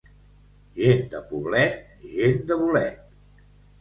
Gent de Poblet, gent de bolet.